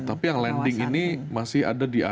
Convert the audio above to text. tapi yang lending ini masih ada di area yang